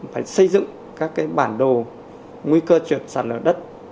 phải xây dựng các bản đồ nguy cơ trượt sạt lở đất